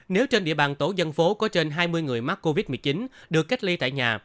nếu trên địa bàn tổ dân phố có trên hai mươi người mắc covid một mươi chín được cách ly tại nhà